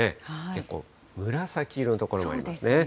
結構、紫色の所もありますね。